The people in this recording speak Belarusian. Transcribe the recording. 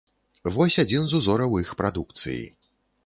Вось адзін з узораў іх прадукцыі.